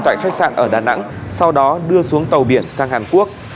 tại khách sạn ở đà nẵng sau đó đưa xuống tàu biển sang hàn quốc